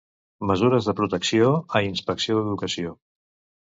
Mesures de protecció a inspecció d'educació.